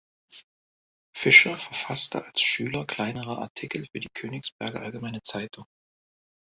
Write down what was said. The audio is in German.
Fischer verfasste als Schüler kleinere Artikel für die „Königsberger Allgemeine Zeitung“.